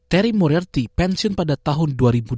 terry moriarty pensiun pada tahun dua ribu delapan